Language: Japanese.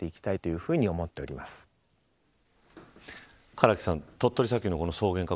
唐木さん、鳥取砂丘の草原化